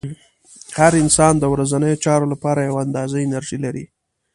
هر انسان د ورځنیو چارو لپاره یوه اندازه انرژي لري.